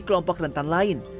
bagi kelompok rentan lain